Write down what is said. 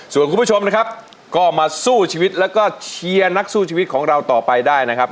ส่วนคุณผู้ชมนะครับก็มาสู้ชีวิตแล้วก็เชียร์นักสู้ชีวิตของเราต่อไปได้นะครับ